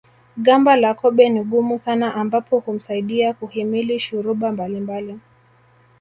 Gamba la kobe ni gumu sana ambapo humsaidia kuhimili shuruba mbalimbali